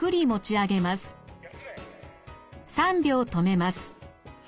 ３秒止めます。